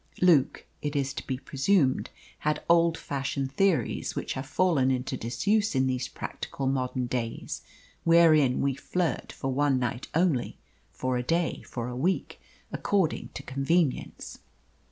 Luke, it is to be presumed, had old fashioned theories which have fallen into disuse in these practical modern days wherein we flirt for one night only, for a day, for a week, according to convenience.